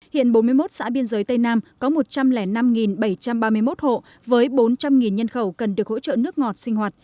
hiện bốn mươi một xã biên giới tây nam có một trăm linh năm bảy trăm ba mươi một hộ với bốn trăm linh nhân khẩu cần được hỗ trợ nước ngọt sinh hoạt